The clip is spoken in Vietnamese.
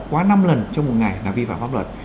quá năm lần trong một ngày là vi phạm pháp luật